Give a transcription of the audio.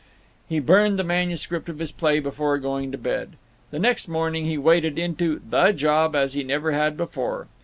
He burned the manuscript of his play before going to bed. The next morning he waded into The Job as he never had before.